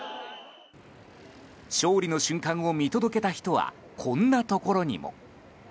勝利の瞬間を見届けた人はこんなところにも。